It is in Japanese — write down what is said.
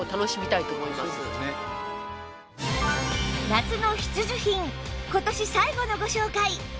夏の必需品今年最後のご紹介